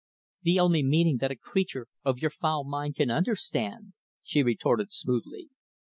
"The only meaning that a creature of your foul mind can understand," she retorted smoothly.